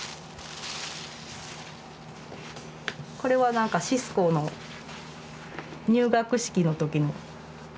これは何かシスコの入学式の時の。